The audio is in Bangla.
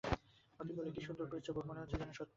মতি বলে, কী সুন্দর করছে বৌ, মনে হচ্ছে যেন সত্যি।